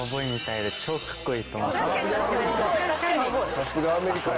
さすがアメリカや。